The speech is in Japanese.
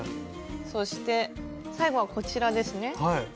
そして最後はこちらですね。